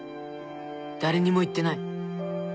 誰にも言ってない。